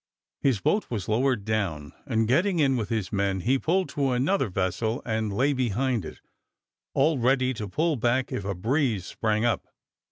His boat was lowered down, and getting in with his men, he pulled to another vessel, and lay behind it, all ready to pull back if a breeze sprang up.